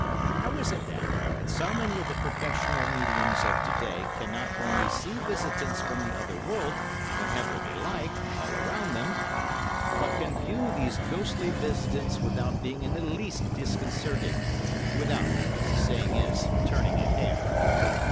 How is it, then, that so many of the professional mediums of to day can not only see visitants from the other world, whenever they like, all around them, but can view these ghostly visitants without being in the least disconcerted, without—as the saying is—turning a hair?